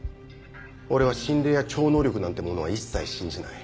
俺は心霊や超能力なんてものは一切信じない。